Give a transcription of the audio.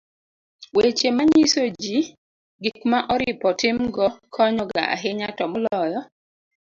weche manyiso ji gik ma oripo timgo konyo ga ahinya to moloyo